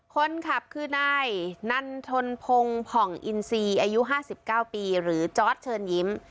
คนขับคือนายนันทนพงผ่องอินซีอายุห้าสิบเก้าปีหรือจ๊อตเชิญยิ้ม